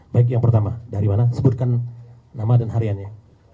baik yang pertama dari mana sebutkan nama dan hariannya